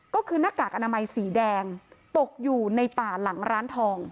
ก็คือหน้ากากอนามัยสีแดงตกอยู่ในป่าหลังร้านทอง